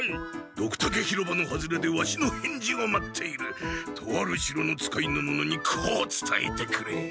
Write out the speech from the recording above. ドクタケ広場の外れでワシの返事を待っているとある城の使いの者にこうつたえてくれ。